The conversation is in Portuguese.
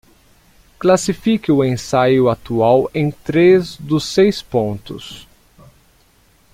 Classifique o ensaio atual em três dos seis pontos.